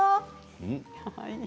うん。